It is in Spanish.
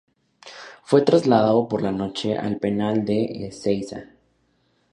Fue trasladado por la noche al penal de Ezeiza.